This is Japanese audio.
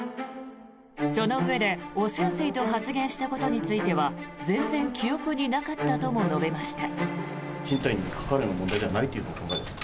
そのうえで、汚染水と発言したことについては全然記憶になかったとも述べました。